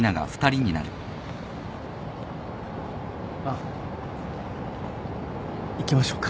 あっ行きましょうか。